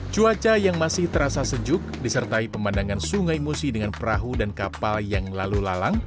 cuaca yang masih terasa sejuk disertai pemandangan sungai musi dengan perahu dan kapal yang lalu lalang